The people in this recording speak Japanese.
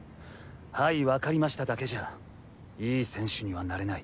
「はいわかりました」だけじゃいい選手にはなれない。